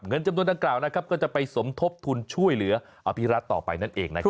จำนวนดังกล่าวนะครับก็จะไปสมทบทุนช่วยเหลืออภิรัตต่อไปนั่นเองนะครับ